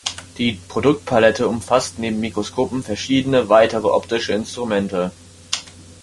Die Produktpalette umfasste neben Mikroskopen verschiedene weitere optische Instrumente.